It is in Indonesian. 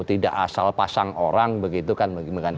tidak asal pasang orang begitu kan